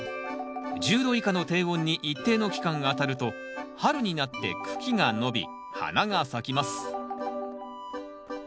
１０度以下の低温に一定の期間あたると春になって茎が伸び花が咲きます